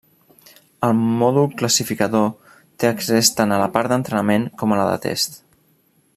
El mòdul classificador té accés tant a la part d'entrenament com a la de test.